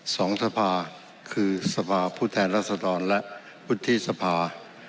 สองทภาคือทภาพุทธแทนรัฐศาลและพุทธีทภา